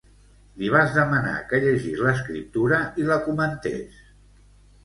Li vas demanar que llegís l'Escriptura i la comentés.